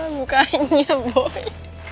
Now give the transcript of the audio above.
susah bukainnya boy